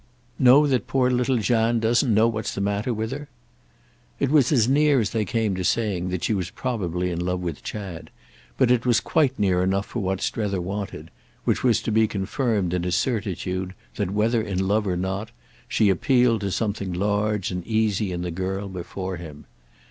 "Know that poor little Jeanne doesn't know what's the matter with her?" It was as near as they came to saying that she was probably in love with Chad; but it was quite near enough for what Strether wanted; which was to be confirmed in his certitude that, whether in love or not, she appealed to something large and easy in the girl before him.